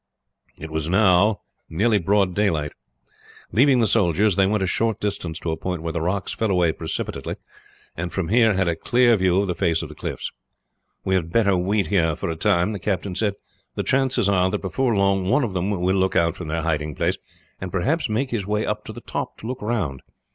It was now nearly broad daylight. Leaving the soldiers they went a short distance to a point where the rocks fell away precipitately, and from here had a clear view of the face of the cliffs. "We had better wait here for a time," the captain said. "The chances are that before long one of them will look out from their hiding place, and perhaps make his way up to the top to look round.